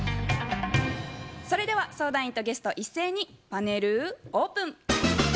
それでは相談員とゲスト一斉にパネルオープン。